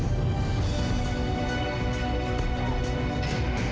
itu bertemu diri